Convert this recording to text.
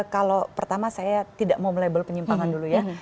kalau pertama saya tidak mau melabel penyimpangan dulu ya